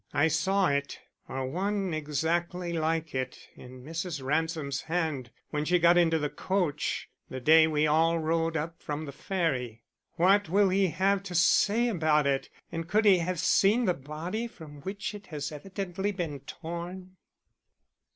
"I saw it, or one exactly like it, in Mrs. Ransom's hand when she got into the coach the day we all rode up from the ferry. What will he have to say about it? and could he have seen the body from which it has evidently been torn?"